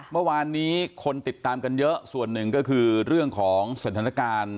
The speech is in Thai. เมื่อวานนี้คนติดตามกันเยอะส่วนหนึ่งก็คือเรื่องของสถานการณ์